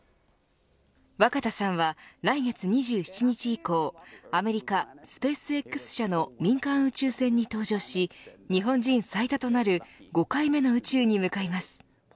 若田さんは、来月２７日以降アメリカ、スペースＸ社の民間宇宙船に搭乗し日本人最多となる５回目の宇宙に向かいます。